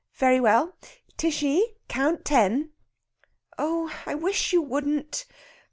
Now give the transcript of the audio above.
Very well. Tishy, count ten!" "Oh, I wish you wouldn't!